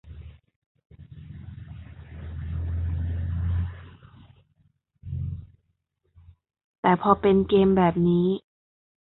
แต่พอเป็นเกมแบบนี้